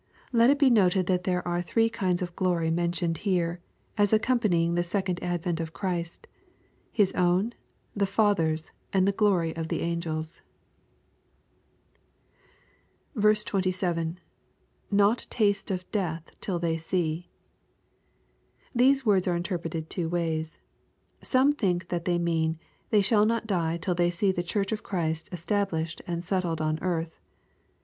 Let it be noted that there are three kinds of glory mentioned here, as accompanying the second advent of Ohnst^ His own, the Father's, and the glory of the angels. 2^\^ [Not taste of death tiU they see.] These words are interpreted two ways. Some think that they mean " They shall not die till they see the Church of Christ established and settled on earth."